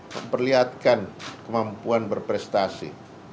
memperlihatkan kemampuan berprestasi